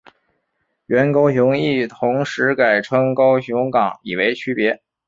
原高雄驿同时改称高雄港以为区别。